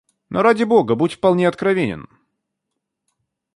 Но, ради Бога, будь вполне откровенен.